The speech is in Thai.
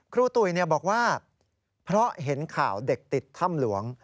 ตุ๋ยบอกว่าเพราะเห็นข่าวเด็กติดถ้ำหลวง